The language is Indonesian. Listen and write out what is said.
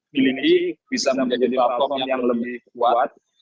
miliki bisa menjadi platform yang lebih kuat